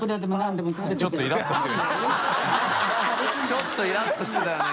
ちょっとイラッとしてたよね